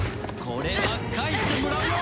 これは返してもらうよ！